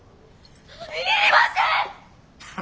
要りません！